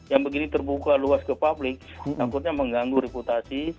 yang begini terbuka luas ke publik takutnya mengganggu reputasi